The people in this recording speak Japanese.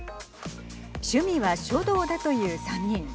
趣味は書道だという３人。